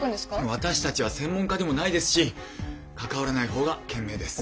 私たちは専門家でもないですし関わらない方が賢明です。